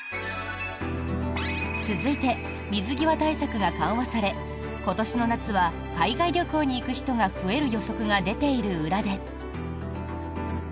続いて、水際対策が緩和され今年の夏は海外旅行に行く人が増える予測が出ている裏で。